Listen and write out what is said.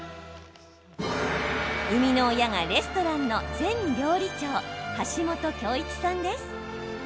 生みの親がレストランの前料理長橋本暁一さんです。